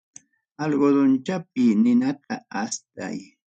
Algodonchapi ninata astay.